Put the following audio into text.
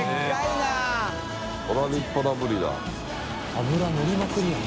脂のりまくりやん。